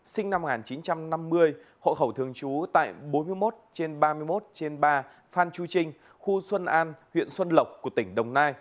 sinh năm một nghìn chín trăm năm mươi hộ khẩu thường trú tại bốn mươi một trên ba mươi một trên ba phan chu trinh khu xuân an huyện xuân lộc của tỉnh đồng nai